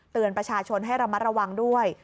เตือนประชาชนให้ระมัดระวังด้วย